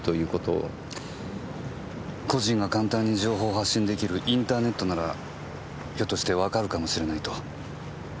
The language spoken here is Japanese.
個人が簡単に情報を発信できるインターネットならひょっとしてわかるかもしれないと。